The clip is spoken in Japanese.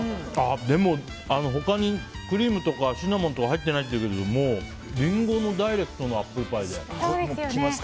でも、他にクリームとかシナモンとか入ってないっていうけどりんごのダイレクトなアップルパイで。